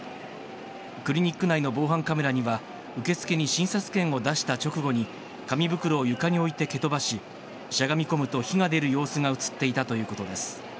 クリニック内の防犯カメラには受付に診察券を出した直後に紙袋を床に置いて蹴飛ばししゃがみ込むと火が出る様子が映っていたということです。